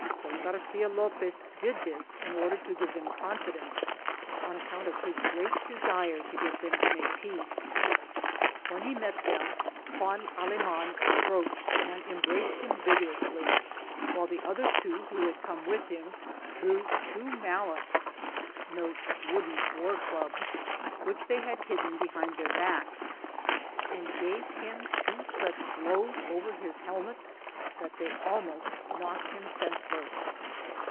Don Garcia Lopez did this in order to give them confidence, on account of his great de sire to get them to make peace. When he met them, Juan Aleman approached and embraced him vigorously, while the other two who had come with him drew two mal lets ' which they had hidden behind their backs and gave him two such blows over his helmet that they almost knocked him sense less.